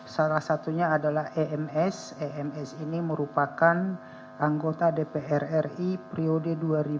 salah satunya adalah ems ems ini merupakan anggota dpr ri priode dua ribu empat belas dua ribu sembilan belas